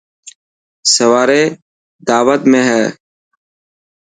سواري داوت ۾هي.